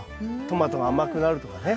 トマトが甘くなるとかね